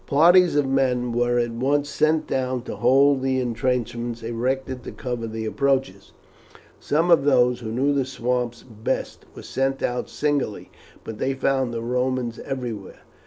Parties of men were at once sent down to hold the intrenchments erected to cover the approaches. Some of those who knew the swamps best were sent out singly, but they found the Romans everywhere.